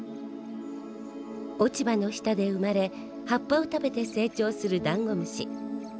落ち葉の下で生まれ葉っぱを食べて成長するダンゴムシ。